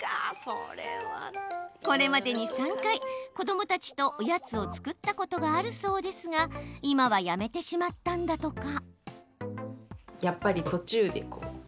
これまでに３回子どもたちと、おやつを作ったことがあるそうですが今はやめてしまったんだとか。